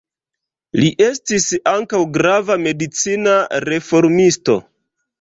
Li estis ankaŭ grava medicina reformisto.